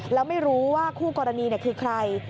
แล้วไม่รู้ว่าคู่กรณีคือใคร